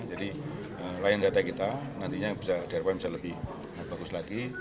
jadi layanan data kita nantinya bisa lebih bagus lagi